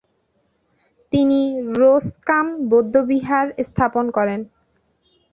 তিনি রো-স্কাম বৌদ্ধবিহার স্থাপন করেন।